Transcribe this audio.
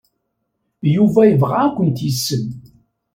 Yuba yebɣa ad kent-yessen.